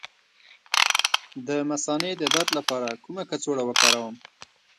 د مثانې د درد لپاره کومه کڅوړه وکاروم؟